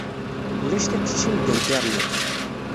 Ulac tiqcicin deg Internet.